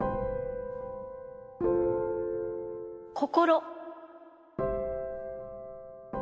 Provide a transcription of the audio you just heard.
心。